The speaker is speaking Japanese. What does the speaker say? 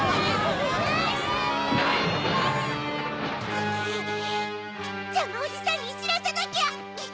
・あぁ・ジャムおじさんにしらせなきゃ！